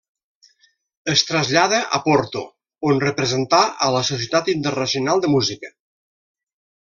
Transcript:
Es trasllada a Porto on representà a la Societat Internacional de Música.